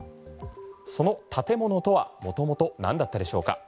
その建物とは元々何だったでしょうか？